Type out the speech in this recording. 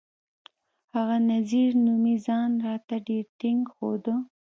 هغه نذير نومي ځان راته ډېر ټينګ ښوده.